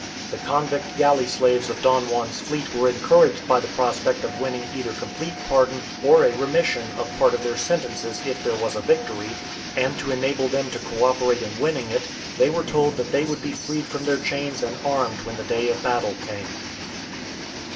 The convict galley slaves of Don Juan's fleet were encouraged by the prospect of winning either complete pardon or a remission of part of their sentences if there was a victory, and to enable them to co operate in winning it, they were told that they would be freed from their chains and armed when the day of battle came.